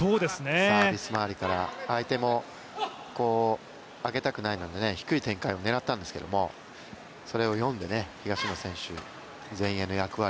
サービス周りから相手も上げたくないので低い展開を狙ったんですけどそれを読んで、東野選手前衛の役割